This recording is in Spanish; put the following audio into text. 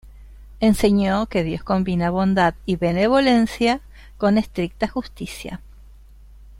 Enseñó que Dios combina Bondad y Benevolencia con estricta Justicia.